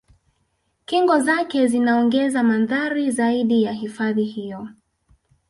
Kingo zake zinaongeza mandhari zaidi ya hifadhi hiyo